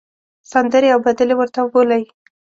سندرې او بدلې ورته بولۍ.